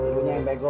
dulunya yang bego